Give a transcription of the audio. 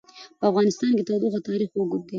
په افغانستان کې د تودوخه تاریخ اوږد دی.